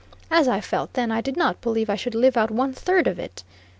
As I felt then, I did not believe I should live out one third of it.